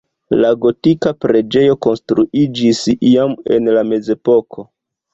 La gotika preĝejo konstruiĝis iam en la mezepoko.